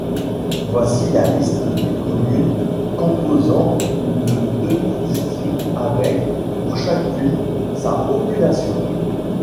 Voici la liste des communes composant le demi-district avec, pour chacune, sa population.